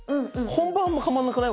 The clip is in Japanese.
本番もハマんなくない？